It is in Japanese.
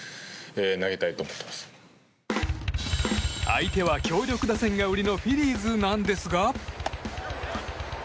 相手は強力打線が売りのフィリーズなんですが。